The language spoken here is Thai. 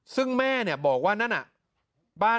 ซึ่งแม่นี่บอกว่านั่นน่ะ